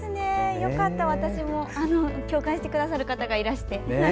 よかった、私も共感してくださる方がいらして。